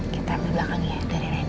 kita ambil belakangnya dari randy